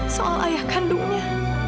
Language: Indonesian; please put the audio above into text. soal ayah kandungnya